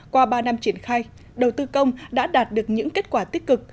qua ba năm triển khai đầu tư công đã đạt được những kết quả tích cực